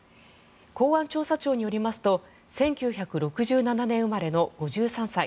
公安調査庁によりますと１９６７年生まれの５３歳。